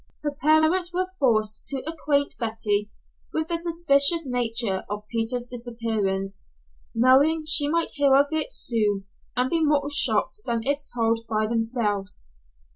Her parents were forced to acquaint Betty with the suspicious nature of Peter's disappearance, knowing she might hear of it soon and be more shocked than if told by themselves.